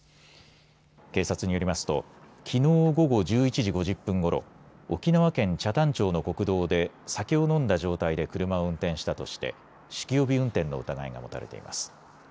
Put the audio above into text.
警察によりますときのう午後１１時５０分ごろ、沖縄県北谷町の国道で酒を飲んだ状態で車を運転したとして酒気帯び運転の疑いが持たれています。